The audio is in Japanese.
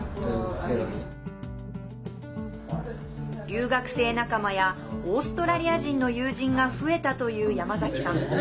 留学生仲間やオーストラリア人の友人が増えたという山崎さん。